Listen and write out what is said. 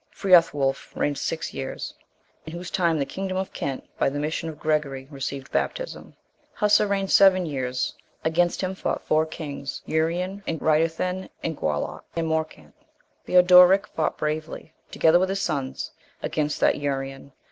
Freothwulf reigned six years. In whose time the kingdom of Kent, by the mission of Gregory, received baptism. Hussa reigned seven years. Against him fought four kings, Urien, and Ryderthen, and Guallauc, and Morcant. Theodoric fought bravely, together with his sons, against that Urien.